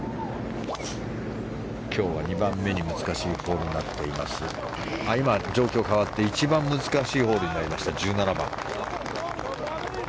今日は２番目に難しいホールになっていましたが状況が変わって一番難しいホールになりました、１７番。